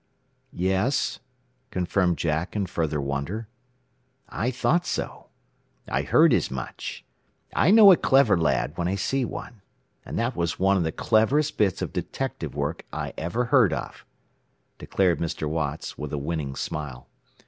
"Yes," confirmed Jack, in further wonder. "I thought so. I thought as much. I know a clever lad when I see one. And that was one of the cleverest bits of detective work I ever heard of," declared Mr. Watts, with a winning smile.